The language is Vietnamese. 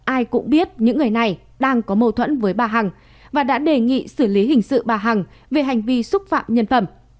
ai cũng biết những người này đang có mâu thuẫn với bà hằng và đã đề nghị xử lý hình sự bà hằng về hành vi xúc phạm nhân phẩm